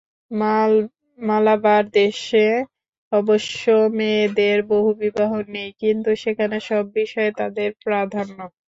মালাবার দেশে অবশ্য মেয়েদের বহুবিবাহ নেই, কিন্তু সেখানে সব বিষয়ে তাদের প্রাধান্য।